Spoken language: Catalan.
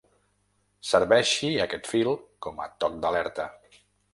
Serveixi aquest fil com a toc d’alerta.